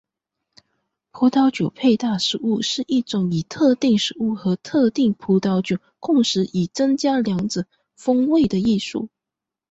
葡萄酒搭配食物是一种以特定食物和特定葡萄酒共食以增加两者风味的艺术。